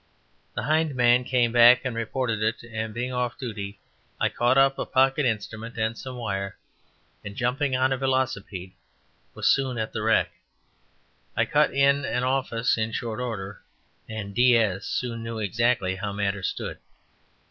The hind man came back and reported it, and being off duty, I caught up a pocket instrument and some wire, and jumping on a velocipede, was soon at the wreck. I cut in an office in short order, and "DS" soon knew exactly how matters stood.